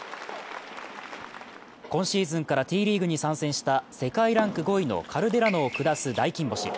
今シーズンからＴリーグに参戦した世界ランク５位のカルデラノを下す大金星。